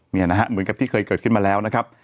เนี่ยนะฮะเหมือนกับที่เคยเกิดขึ้นมาแล้วนะครับ